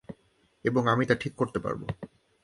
এবং আমি তা ঠিক করতে পারবো।